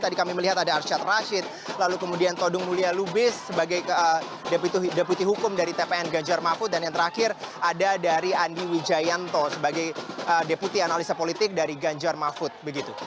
tadi kami melihat ada arsyad rashid lalu kemudian todung mulya lubis sebagai deputi hukum dari tpn ganjar mahfud dan yang terakhir ada dari andi wijayanto sebagai deputi analisa politik dari ganjar mahfud begitu